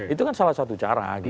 itu kan salah satu cara